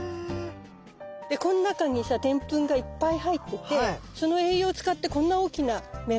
でこの中にさでんぷんがいっぱい入っててその栄養を使ってこんな大きな芽生えになったの。